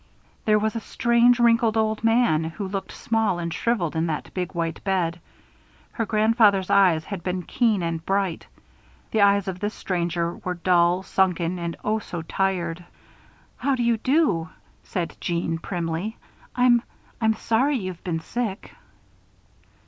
There was a strange, wrinkled old man, who looked small and shriveled in that big white bed. Her grandfather's eyes had been keen and bright. The eyes of this stranger were dull, sunken, and oh, so tired. "How do you do?" said Jeanne, primly. "I'm I'm sorry you've been sick."